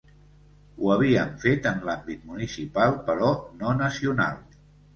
Ho havíem fet en l’àmbit municipal, però no nacional.